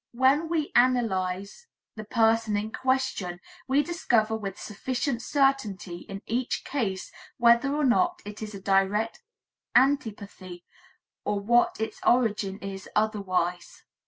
When we analyze the person in question, we discover with sufficient certainty in each case whether or not it is a direct antipathy, or what its origin is otherwise.